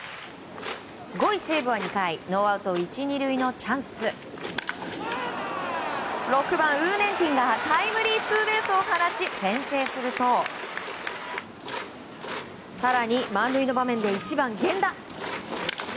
５位、西武はノーアウト１、２塁のチャンス６番、ウー・ネンティンがタイムリーツーベースを放ち先制すると更に満塁の場面で１番、源田。